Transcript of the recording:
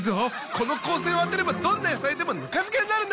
この光線を当てればどんな野菜でもぬか漬けになるんだ！